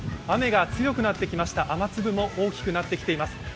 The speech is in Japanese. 雨が強くなってきました、雨粒も大きくなってきています。